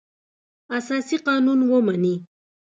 اساسي قانون ومني.